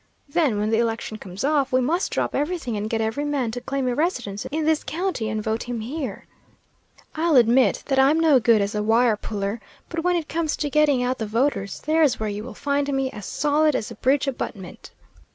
Then when the election comes off, we must drop everything and get every man to claim a residence in this county and vote him here. I'll admit that I'm no good as a wire puller, but when it comes to getting out the voters, there's where you will find me as solid as a bridge abutment.